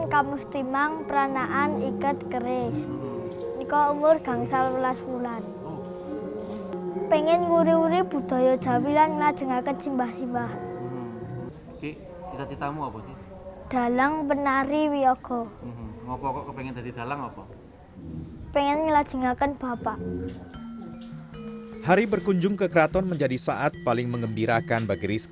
kakek rizki mengatakan